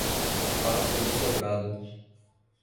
Passo do Sobrado